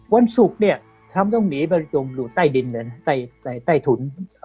วันสุคเนี่ยท่านต้องหนีไปอยู่ในอุ่นใต้ดินเหมือนใต้ถุน